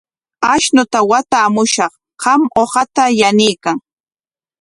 Ashnuta watamushaq, qam uqata yanuykan.